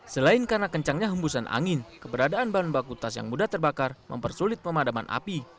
selain karena kencangnya hembusan angin keberadaan bahan baku tas yang mudah terbakar mempersulit pemadaman api